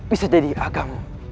bisa jadi agam